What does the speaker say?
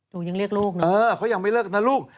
ลูกยังเรียกลูกเออเขายังไม่เลิกกันนะลูก